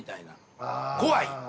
怖い。